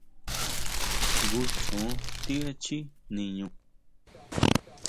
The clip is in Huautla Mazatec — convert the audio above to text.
¿Jngu chjon ti echjí niñu?